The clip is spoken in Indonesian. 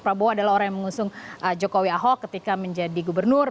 prabowo adalah orang yang mengusung jokowi ahok ketika menjadi gubernur